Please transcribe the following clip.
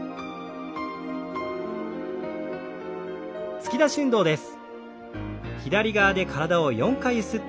突き出し運動です。